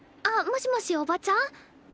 あっもしもしおばちゃん？